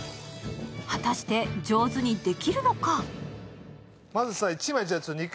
果たして上手にできるのか？